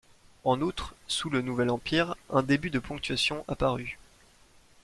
En outre, sous le Nouvel Empire, un début de ponctuation apparut.